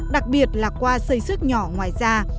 đặc biệt là qua xây xước nhỏ ngoài da